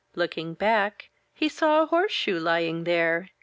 Looking back, he saw a horseshoe lying there.